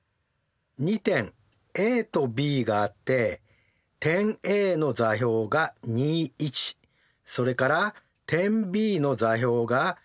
２点ＡとＢがあって点Ａの座標がそれから点Ｂの座標が。